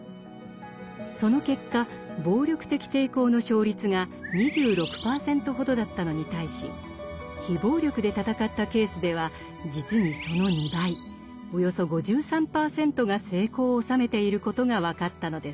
その結果暴力的抵抗の勝率が２６％ほどだったのに対し非暴力で闘ったケースでは実にその２倍およそ５３％が成功を収めていることが分かったのです。